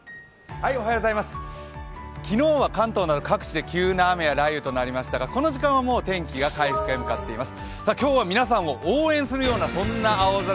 昨日は関東など各地で急な雨や雷雨となりましたが、この時間はもう天気が回復へ向かっています。